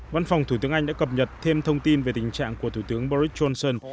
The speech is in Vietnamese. văn phòng thủ tướng anh đã cập nhật thêm thông tin về tình trạng của thủ tướng boris johnson